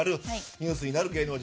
ニュースになる芸能人